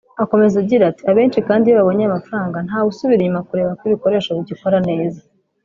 Akomeza agira ati “Abenshi kandi iyo babonye ayo mafaranga ntawe usubira inyuma kureba ko ibikoresho bigikora neza